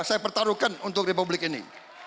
saya pertaruhkan untuk republik ini